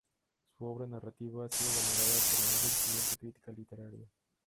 Su obra narrativa ha sido valorada por la más exigente crítica literaria.